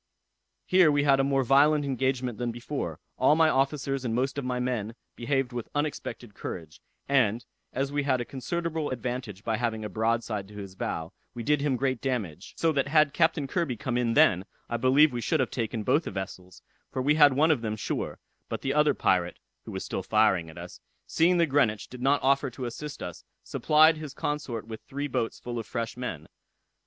Here we had a more violent engagement than before: all my officers and most of my men behaved with unexpected courage; and, as we had a considerable advantage by having a broadside to his bow, we did him great damage; so that had Captain Kirby come in then, I believe we should have taken both the vessels, for we had one of them sure; but the other pirate (who was still firing at us,) seeing the Greenwich did not offer to assist us, supplied his consort with three boats full of fresh men.